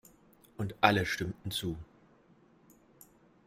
Und alle stimmten zu.